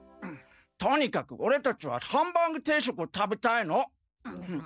とにかくオレたちはハンバーグ定食を食べたいの！